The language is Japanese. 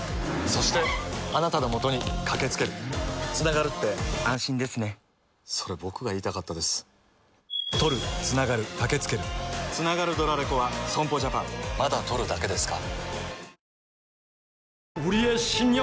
そして、あなたのもとにかけつけるつながるって安心ですねそれ、僕が言いたかったですつながるドラレコは損保ジャパンまだ録るだけですか？